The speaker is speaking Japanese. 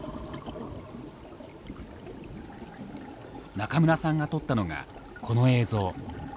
中村さんが撮ったのがこの映像。